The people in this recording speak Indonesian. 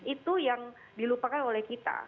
itu yang dilupakan oleh kita